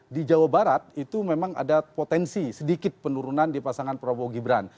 di jawa barat itu memang ada potensi sedikit penurunan di pasangan prabowo gibran